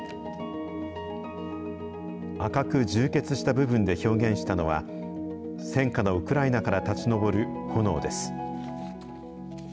赤く充血した部分で表現したのは、戦禍のウクライナから立ち上る炎です。